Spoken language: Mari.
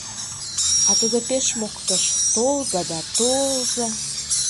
А тудо пеш моктыш, толза да толза...